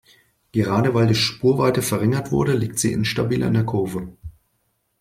Gerade weil die Spurweite verringert wurde, liegt sie instabiler in der Kurve.